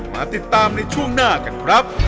มาติดตามในช่วงหน้ากันครับ